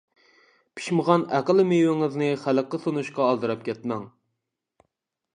پىشمىغان ئەقىل مېۋىڭىزنى خەلققە سۇنۇشقا ئالدىراپ كەتمەڭ.